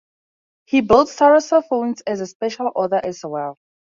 He builds sarrusophones as a special order as well.